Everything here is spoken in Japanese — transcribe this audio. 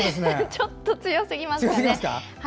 ちょっと強すぎますかね。